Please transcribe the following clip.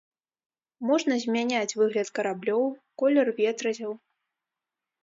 Можна змяняць выгляд караблёў, колер ветразяў.